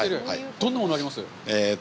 どんなものがあります？